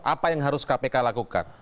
apa yang harus kpk lakukan